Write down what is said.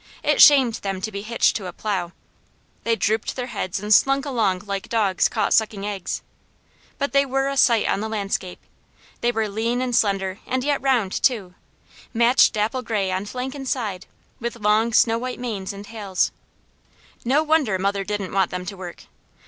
It shamed them to be hitched to a plow. They drooped their heads and slunk along like dogs caught sucking eggs. But they were a sight on the landscape. They were lean and slender and yet round too, matched dapple gray on flank and side, with long snow white manes and tails. No wonder mother didn't want them to work.